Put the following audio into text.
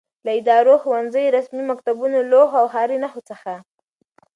له ادارو، ښوونځیو، رسمي مکتوبونو، لوحو او ښاري نښو څخه